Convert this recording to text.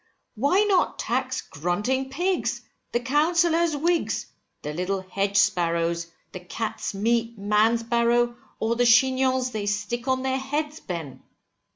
Why not tax grunting pigs, the counsellor's wigs, the little hedge sparrows, the cat's meat man's barrow, or the chignons they stick on their heads, Ben.